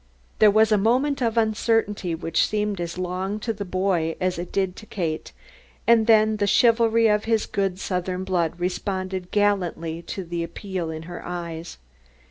There was a moment of uncertainty which seemed as long to the boy as it did to Kate, and then the chivalry of his good southern blood responded gallantly to the appeal in her eyes.